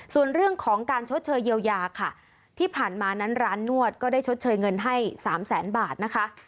ส่วนเรื่องของการชดเชยเยียวยาค่ะที่ผ่านมานั้นร้านนวดก็ได้ชดเชยเงินให้สามแสนบาทนะคะ